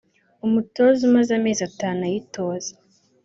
umutoza umaze amezi atanu ayitoza